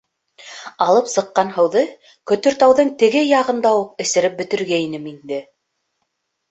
Алып сыҡҡан һыуҙы Көтөртауҙың теге яғында уҡ эсереп бөтөргәйнем инде.